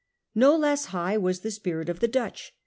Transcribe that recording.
No less high was the spirit of the Dutch.